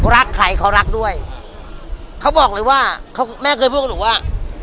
รักใครเขารักด้วยเขาบอกเลยว่าเขาแม่เคยพูดกับหนูว่า